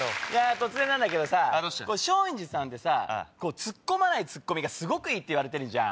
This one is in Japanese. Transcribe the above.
突然なんだけどさ松陰寺さんってさツッコまないツッコミがすごくいいって言われてるじゃん。